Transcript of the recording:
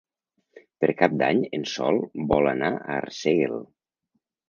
Per Cap d'Any en Sol vol anar a Arsèguel.